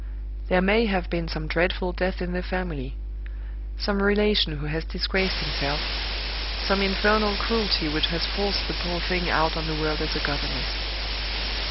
There may have been some dreadful death in the family some relation who has disgraced himself some infernal cruelty which has forced the poor thing out on the world as a governess.